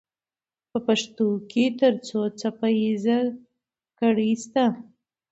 په پښتو کې تر څو څپه ایزه ګړې سته؟